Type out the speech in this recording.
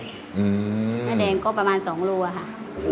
เนื้อแดงก็ประมาณสองรูอค่ะ